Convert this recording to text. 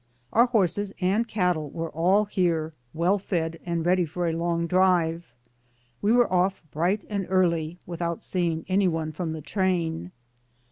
Our horses and cattle were all here, well fed and ready for a long drive. We were off 2o8 DAYS ON THE ROAD. bright and early, without seeing any one from the train.